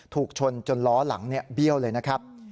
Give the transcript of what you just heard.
ถูกชนจนล้อหลังเบี้ยวเลยนะครับ